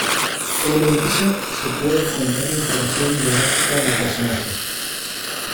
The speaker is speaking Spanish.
En el edificio se puede encontrar información biográfica del personaje.